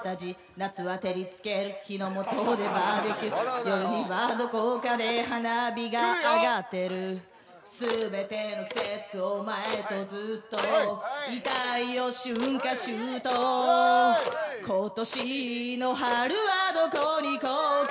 夏は照りつける陽の下でバーベキュー夜にはどこかで花火が上がってる全ての季節お前とずっと居たいよ春夏秋冬今年の春はどこに行こうか？